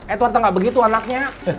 edward tuh enggak begitu anaknya